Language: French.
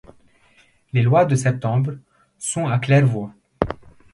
Les lois de septembre sont à claire-voie.